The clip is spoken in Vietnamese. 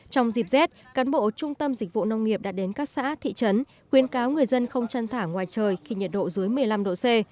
trong dịp rét cán bộ trung tâm dịch vụ nông nghiệp đã đến các xã thị trấn khuyên cáo người dân không chăn thả ngoài trời khi nhiệt độ dưới một mươi năm độ c